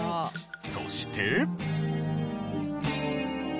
そして。